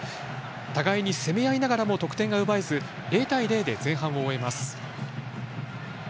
互いに攻め合いながらも得点が奪えず０対０で前半を終えます。